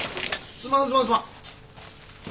すまんすまんすまん。